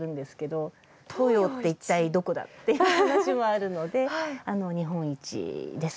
東洋って一体どこだっていう話もあるので日本一です。